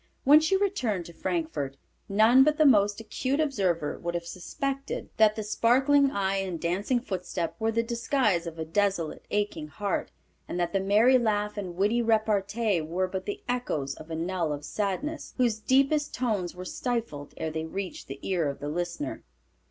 When she returned to Frankfort none but the most acute observer would have suspected that the sparkling eye and dancing footstep were the disguise of a desolate, aching heart and that the merry laugh and witty repartee were but the echoes of a knell of sadness, whose deepest tones were stifled ere they reached the ear of the listener.